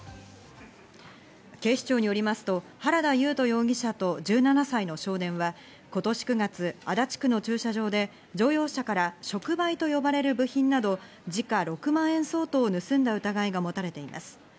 警視庁によりますと原田優斗容疑者と１７歳の少年は今年９月、足立区の駐車場で乗用車から触媒と呼ばれる部品など時価６万円相当を盗んだ疑いが持たれています。